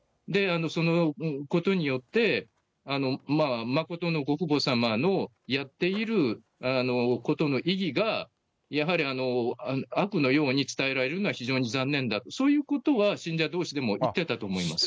そのことによって、真のご母堂様のやっていることの意義が、やはり悪のように伝えられるのは非常に残念だと、そういうことは信者どうしでも言ってたと思います。